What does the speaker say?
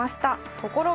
ところが。